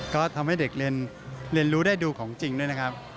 ก็ทำให้เด็กเรียนรู้ได้ดูของจริงด้วยนะครับ